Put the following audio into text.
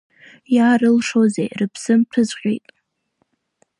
Иаарылшозеи, рыԥсы мҭәыҵәҟьеит.